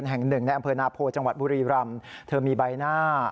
อังเภณาโพล์จังหวัดบุรีรำเธอมีใบหน้า